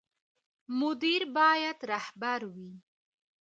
مدیر باید رهبر وي